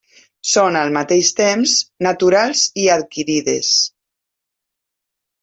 Són al mateix temps naturals i adquirides.